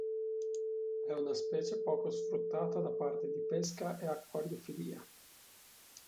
È una specie poco sfruttata da parte di pesca e acquariofilia.